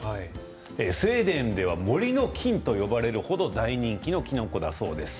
スウェーデンでは森の金と呼ばれる程大人気のきのこだそうです。